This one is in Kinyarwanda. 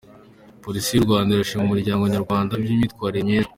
Polisi y’u Rwanda irashimira Umuryango nyarwanda ku bw’iyo myitwarire myiza."